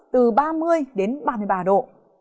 từ ba mươi ba mươi ba độ